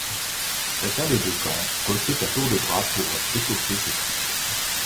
Chacun des deux camps recrute à tour de bras pour étoffer ses troupes.